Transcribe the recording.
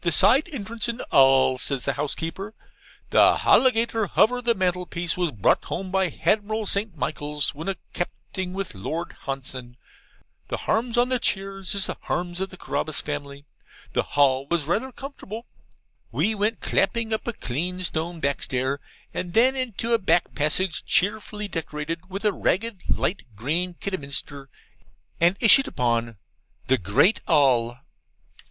'The side entrance and All,' says the housekeeper. 'The halligator hover the mantelpiece was brought home by Hadmiral St. Michaels, when a Capting with Lord Hanson. The harms on the cheers is the harms of the Carabas family.' The hall was rather comfortable. We went clapping up a clean stone backstair, and then into a back passage cheerfully decorated with ragged light green Kidderminster, and issued upon 'THE GREAT ALL.